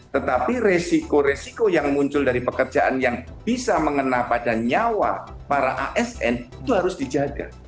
tetapi resiko resiko yang muncul dari pekerjaan yang bisa mengena pada nyawa para asn itu harus dijaga